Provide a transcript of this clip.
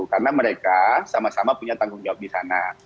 karena mereka sama sama punya tanggung jawab di sana